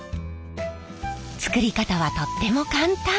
作り方はとっても簡単。